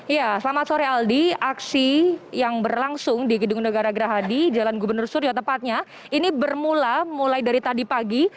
ya selamat sore aldi aksi yang berlangsung di gedung negara gerahadi jalan gubernur suryo tepatnya ini bermula mulai dari tadi pagi